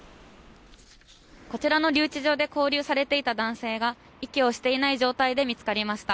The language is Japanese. こちらの留置場で勾留されていた男性が、息をしていない状態で見つかりました。